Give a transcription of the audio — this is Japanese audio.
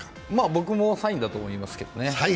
僕もサインだと思いますけどね。